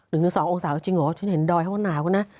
๑๒องศาลจริงเหรอฉันเห็นดอยเขาว่านาวกันนะ